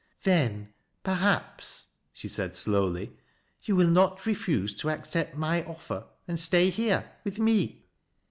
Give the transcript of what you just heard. " Then, perhaps," she said slowl}', " you will not refuse tf accept my offer and stay here — with me